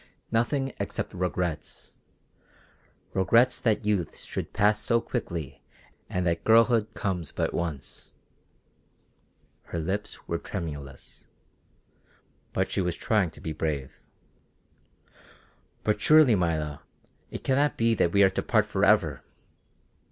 Nothing except regrets regrets that youth should pass so quickly and that girlhood comes but once." Her lips were tremulous, but she was trying to be brave. "But surely, Maida, it cannot be that we are to part forever.